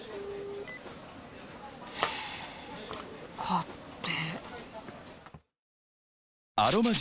勝手。